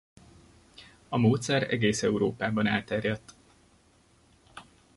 A módszer egész Európában elterjedt.